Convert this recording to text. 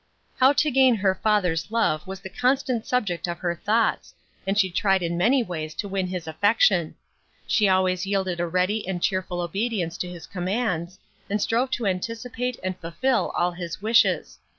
How to gain her father's love was the constant subject of her thoughts, and she tried in many ways to win his affection. She always yielded a ready and cheerful obedience to his commands, and strove to anticipate and fulfil all his wishes.